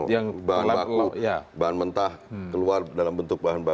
bahan baku bahan mentah keluar dalam bentuk bahan baku